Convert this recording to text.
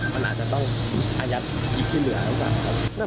มันอาจจะต้องอายัดอีกที่เหลือแล้วกันครับ